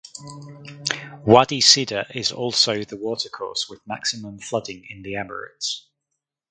Wadi Sidr is also the watercourse with maximum flooding in the Emirates.